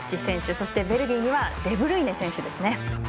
そしてベルギーにはデブルイネ選手ですね。